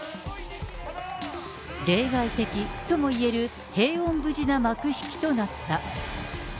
例外的ともいえる平穏無事な幕引きとなった。